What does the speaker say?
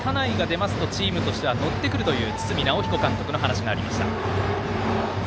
この田内が出るとチームが乗ってくるという堤尚彦監督の話がありました。